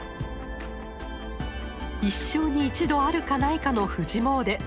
一生に一度あるかないかの富士詣で。